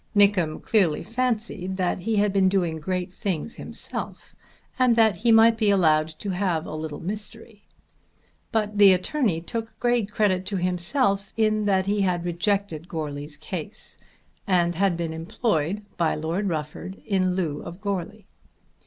Nickem clearly fancied that he had been doing great things himself, and that he might be allowed to have a little mystery. But the attorney took great credit to himself in that he had rejected Goarly's case, and had been employed by Lord Rufford in lieu of Goarly.